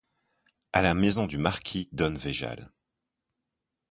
À la maison du marquis don Végal!